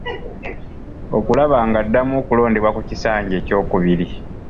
Okulaba ng'addamu okulondebwa ku kisanja ekyokubiri.